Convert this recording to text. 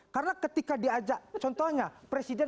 karena ketika diajak contohnya presiden